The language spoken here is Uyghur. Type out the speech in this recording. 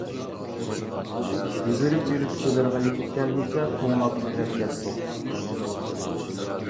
يۈگۈرۈپ يۈرۈپ چېدىرغا يېتىپ كەلگۈچە توڭلاپ تىترەپ كەتتۇق.